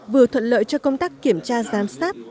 vừa thuận lợi cho công tác kiểm tra giám sát